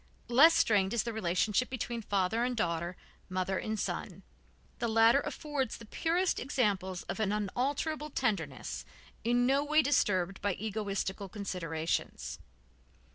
Less strained is the relationship between father and daughter, mother and son. The latter affords the purest examples of an unalterable tenderness, in no way disturbed by egoistical considerations.